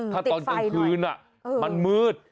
ถ้าตอนกลางคืนมันมืด